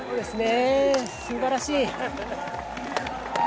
すばらしい。